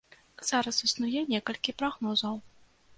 Зараз існуе некалькі прагнозаў.